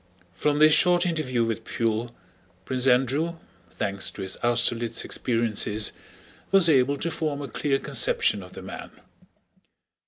From this short interview with Pfuel, Prince Andrew, thanks to his Austerlitz experiences, was able to form a clear conception of the man.